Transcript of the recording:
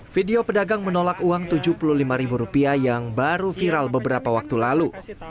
video pedagang menolak uang rp tujuh puluh lima yang baru viral beberapa waktu lalu